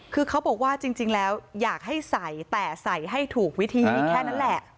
คือเขาบอกว่าจริงแล้วอยากให้ใส่แต่ใส่ให้ถูกวิธีแค่นั้นแหละ